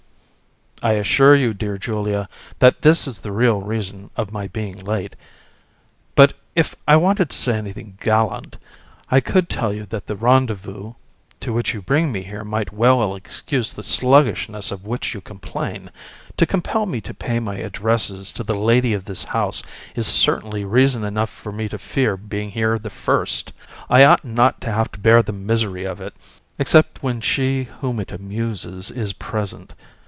VISC. I assure you, dear Julia, that this is the real reason of my being late. But if I wanted to say anything gallant, I could tell you that the rendezvous to which you bring me here might well excuse the sluggishness of which you complain. To compel me to pay my addresses to the lady of this house is certainly reason enough for me to fear being here the first. I ought not to have to bear the misery of it, except when she whom it amuses is present.